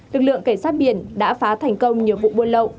lực lượng cảnh sát biển đã phá thành công nhiều vụ buôn lậu